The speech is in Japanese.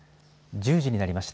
１０時になりました。